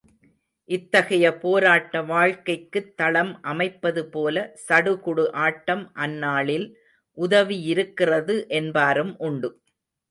இத்தகைய போராட்ட வாழ்க்கைக்குத் தளம் அமைப்பது போல, சடுகுடு ஆட்டம் அந்நாளில் உதவியிருக்கிறது என்பாரும் உண்டு.